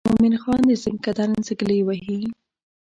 مومن خان د زکندن سګلې وهي.